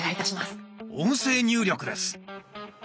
音声入力です。